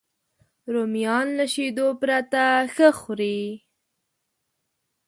رومیان له شیدو پرته ښه خوري